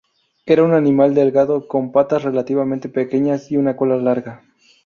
Era un animal delgado, con patas relativamente pequeñas y una cola larga.